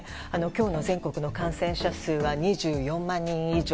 今日の全国の感染者数は２４万人以上。